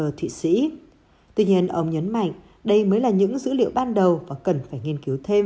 thưa thị sĩ tuy nhiên ông nhấn mạnh đây mới là những dữ liệu ban đầu và cần phải nghiên cứu thêm